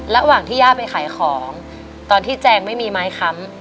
ระหว่างที่ย่าไปขายของตอนที่แจงไม่มีไม้ค้ำ